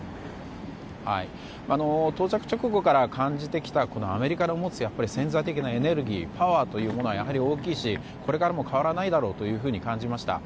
到着直後から感じてきたアメリカの持つ潜在的なエネルギーパワーというものは大きいしこれからも変わらないだろうと感じました。